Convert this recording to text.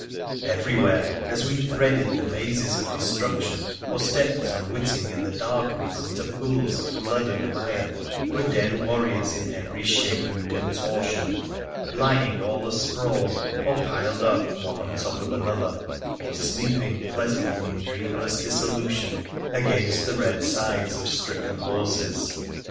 Everywhere, as we threaded the mazes of destruction or stepped unwitting in the darkness into pools of blood and mire, were dead warriors in every shape and contortion, lying all asprawl, or piled up one on top of another, or sleeping pleasantly in dreamless dissolution against the red sides of stricken horses.